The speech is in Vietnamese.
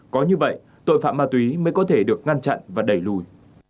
có như vậy tội phạm ma túy mới có thể được ngăn chặn và đẩy lùi